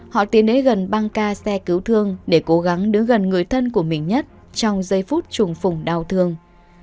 họ tiến đến gần ba ca xe cứu thương để cố gắng đứng gần người thân của mình nhất trong giây phút trùng phùng đau thương